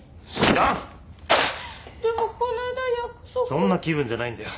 そんな気分じゃないんだよ。